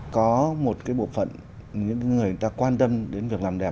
có một cái bộ phận những người ta quan tâm đến việc làm đẹp